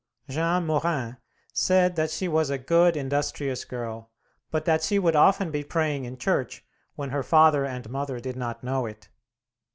Jean Morin said that she was a good industrious girl, but that she would often be praying in church when her father and mother did not know it.